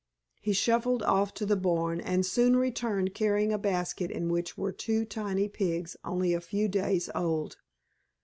He shuffled off to the barn, and soon returned carrying a basket in which were two tiny pigs only a few days old.